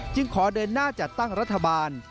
ขอเดินหน้าจัดตั้งรัฐบาล